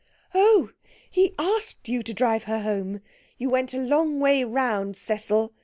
'Oh! He asked you to drive her home! You went a long way round, Cecil.